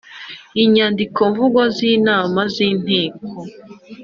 Inyandiko mvugo z inama z inteko